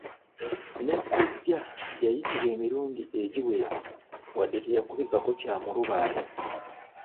Ne kkojja yayitibwa emirundi egiwera, wadde teyakubikako kya mulubaale.